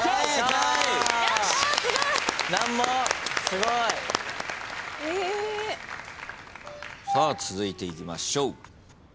すごい！続いていきましょう。